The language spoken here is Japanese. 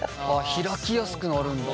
開きやすくなるんだ。